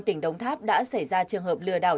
tỉnh đống tháp đã xảy ra trường hợp lừa đảo